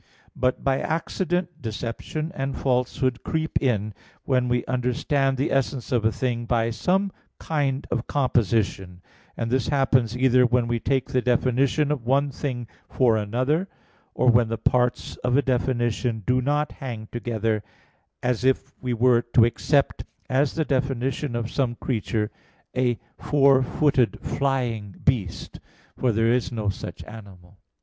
But by accident, deception and falsehood creep in, when we understand the essence of a thing by some kind of composition, and this happens either when we take the definition of one thing for another, or when the parts of a definition do not hang together, as if we were to accept as the definition of some creature, "a four footed flying beast," for there is no such animal.